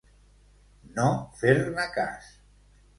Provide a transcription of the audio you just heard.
No fer-ne cas.